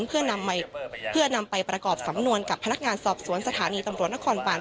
เพื่อนำไปประกอบสำนวนกับพนักงานสอบสวนสถานีตำรวจนคร